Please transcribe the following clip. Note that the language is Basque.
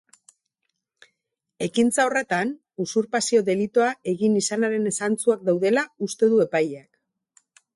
Ekintza horretan, usurpazio delitua egin izanaren zantzuak daudela uste du epaileak.